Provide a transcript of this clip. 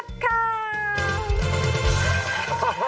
ใช่ค่ะแล้วเจอกับผมชะ